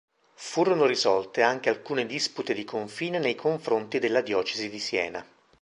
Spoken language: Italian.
Furono risolte anche alcune dispute di confine nei confronti della diocesi di Siena.